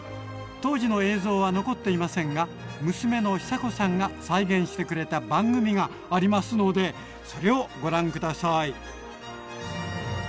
当時の映像は残っていませんが娘の寿子さんが再現してくれた番組がありますのでそれをご覧下さい。